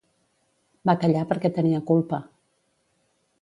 Va callar perquè tenia culpa.